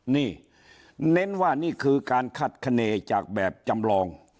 นี่เน้นว่านี่คือการคัดคณีจากแบบจำลอง